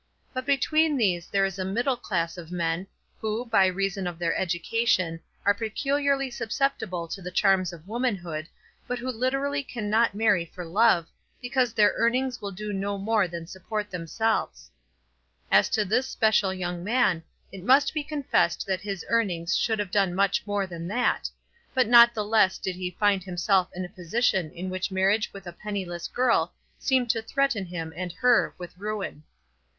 But between these there is a middle class of men, who, by reason of their education, are peculiarly susceptible to the charms of womanhood, but who literally cannot marry for love, because their earnings will do no more than support themselves. As to this special young man, it must be confessed that his earnings should have done much more than that; but not the less did he find himself in a position in which marriage with a penniless girl seemed to threaten him and her with ruin.